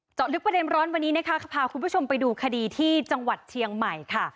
ลึกประเด็นร้อนวันนี้นะคะพาคุณผู้ชมไปดูคดีที่จังหวัดเชียงใหม่ค่ะ